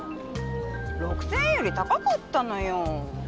６０００円より高かったのよ。